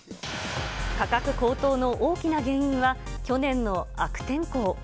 価格高騰の大きな原因は去年の悪天候。